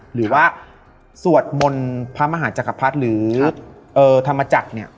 หรือว่าโสดมนตร์พระมหาจักรพรรษหรือธรรมจัศน์